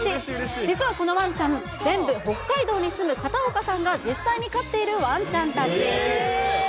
実はこのわんちゃん、全部北海道に住むかたおかさんが実際に飼っているわんちゃんたち。